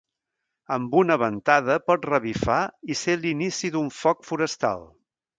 Amb una ventada pot revifar i ser l'inici d'un foc forestal.